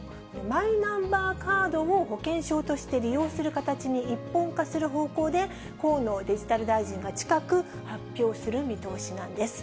マイナンバーカードを保険証として利用する形に一本化する方向で、河野デジタル大臣が近く発表する見通しなんです。